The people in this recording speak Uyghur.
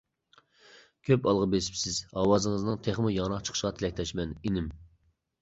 كۆپ ئالغا بېسىپسىز. ئاۋازىڭىزنىڭ تېخىمۇ ياڭراق چىقىشىغا تىلەكداشمەن، ئىنىم!